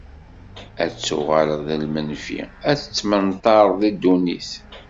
Ad tuɣaleḍ d lmenfi, ad tettmenṭareḍ di ddunit.